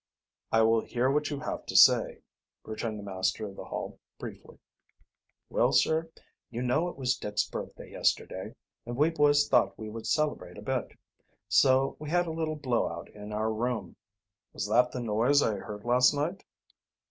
"I will hear what you have to say," returned the master of the Hall briefly. "Well, sir, you know it was Dick's birthday yesterday, and we boys thought we would celebrate a bit. So we had a little blow out in our room." "Was that the noise I heard last night?"